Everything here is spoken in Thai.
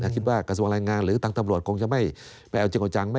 คิดว่ากระทรวงรายงานหรือตังค์ตำรวจคงจะไม่เอาจริงออกจัง